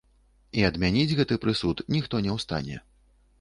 І адмяніць гэты прысуд ніхто не ў стане.